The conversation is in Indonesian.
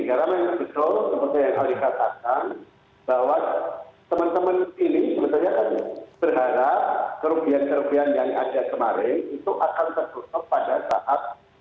karena yang betul sebetulnya yang harus dikatakan bahwa teman teman ini berharap kerugian kerugian yang ada kemarin itu akan terkutuk pada saat